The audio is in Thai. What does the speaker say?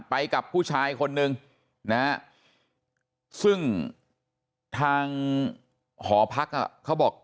ไปกับผู้ชายคนนึงนะฮะซึ่งทางหอพักเขาบอก